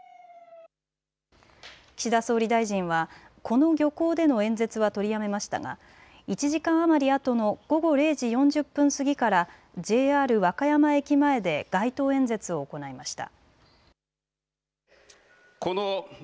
岸田総理大臣は、この漁港での演説は取りやめましたが１時間余りあとの午後０時４０分過ぎからＪＲ和歌山駅前で街頭演説を行いました。